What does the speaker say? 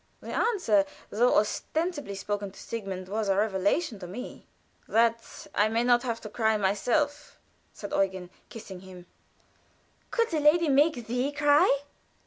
The answer, though ostensibly spoken to Sigmund, was a revelation to me. "That I may not have to cry myself," said Eugen, kissing him. "Could the lady make thee cry?"